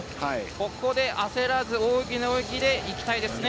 ここで焦らず大きな泳ぎでいきたいですね。